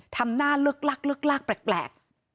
ทำหน้าเลิกลักเลิกลากแปลก